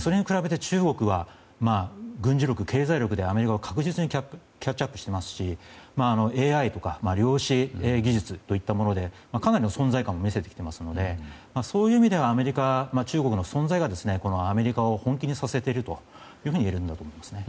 それに比べて中国は軍事力、経済力でアメリカを確実にキャッチアップしていますしＡＩか量子技術といったものでかなりの存在感を見せてきていますので中国の存在がアメリカを本気にさせていると言えるんだと思いますね。